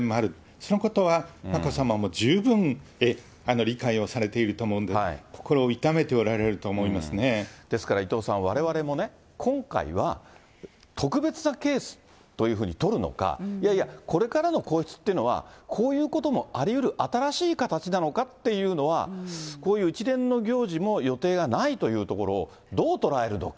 そのことは眞子さまも十分理解をされていると思うんで、ですから伊藤さん、われわれもね、今回は特別なケースというふうにとるのか、いやいや、これからの皇室というのは、こういうこともありうる新しい形なのかっていうのは、こういう一連の行事も予定がないというところをどう捉えるのか。